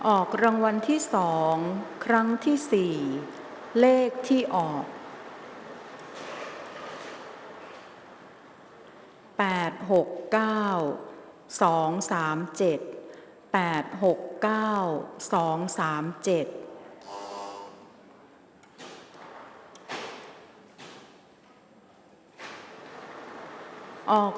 ออกรางวัลที่๒ครั้งที่๔เลขที่ออก